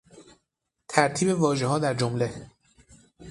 ترتیب واژهها در جمله